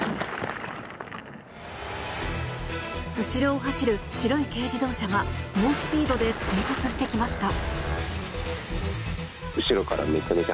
後ろを走る白い軽自動車が猛スピードで追突してきました。